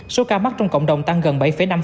số ca mắc trong cộng đồng tăng gần bảy năm